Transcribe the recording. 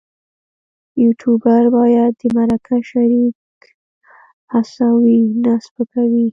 یوټوبر باید د مرکه شریک هڅوي نه سپکوي.